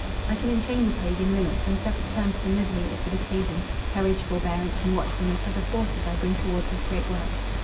I can enchain the plague in limits, and set a term to the misery it would occasion; courage, forbearance, and watchfulness, are the forces I bring towards this great work.